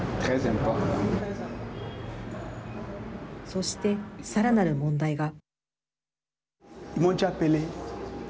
そして、更なる問題が。